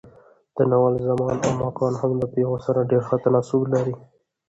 د ناول زمان او مکان هم د پېښو سره ډېر ښه تناسب لري.